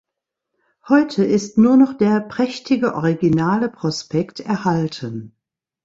Heute ist nur noch der prächtige originale Prospekt erhalten.